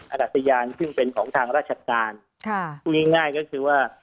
อักษริยานซึ่งเป็นของทางราชการค่ะง่ายก็คือว่า